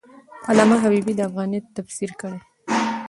علامه حبیبي د افغانیت تفسیر کړی دی.